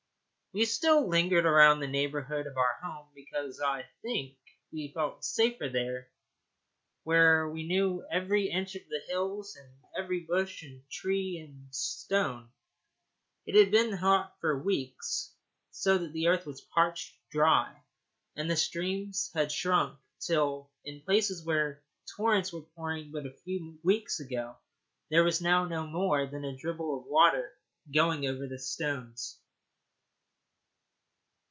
We still lingered around the neighbourhood of our home, because, I think, we felt safer there, where we knew every inch of the hills and every bush, and tree, and stone. It had been very hot for weeks, so that the earth was parched dry, and the streams had shrunk till, in places where torrents were pouring but a few weeks ago, there was now no more than a dribble of water going over the stones.